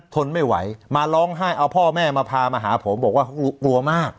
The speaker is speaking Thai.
ทนไม่ไหวมาร้องไห้เอาพ่อแม่มาพามาหาผมบอกว่ากลัวมาก